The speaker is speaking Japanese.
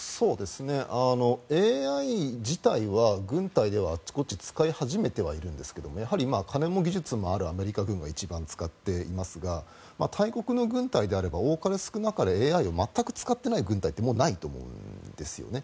ＡＩ自体は、軍隊ではあっちこっち使い始めてはいるんですが金も技術もあるアメリカ軍が一番使っていますが大国の軍隊であれば多かれ少なかれＡＩを全く使っていない軍隊ってもうないと思うんですよね。